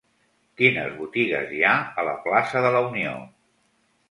Quines botigues hi ha a la plaça de la Unió?